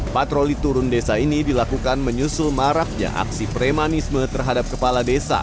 patroli turun desa ini dilakukan menyusul maraknya aksi premanisme terhadap kepala desa